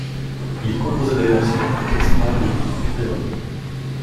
Il composa des versions orchestrales de musiques créoles.